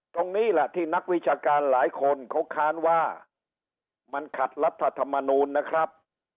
ตรงนี้แหละที่นักวิชาการหลายคนเขาค้านว่ามันขัดรัฐธรรมนูลนะครับ